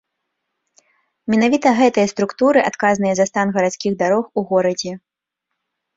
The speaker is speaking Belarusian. Менавіта гэтыя структуры адказныя за стан гарадскіх дарог у горадзе.